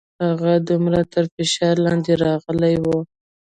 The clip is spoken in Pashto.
هغه دومره تر فشار لاندې راغلې وه.